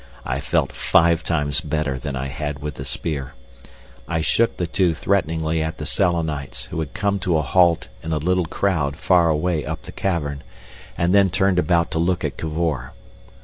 I felt five times better than I had with the spear. I shook the two threateningly at the Selenites, who had come to a halt in a little crowd far away up the cavern, and then turned about to look at Cavor.